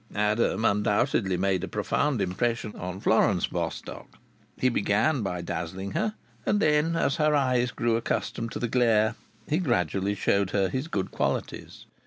Adam undoubtedly made a profound impression on Florence Bostock. He began by dazzling her, and then, as her eyes grew accustomed to the glare, he gradually showed her his good qualities.